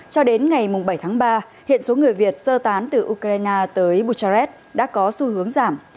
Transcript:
cho đến ngày bảy tháng ba hiện số người việt sơ tán từ ukraine tới buchares đã có xu hướng giảm